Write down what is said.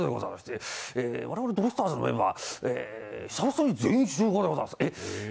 我々ドリフターズのメンバー、久々に全員集合でございます。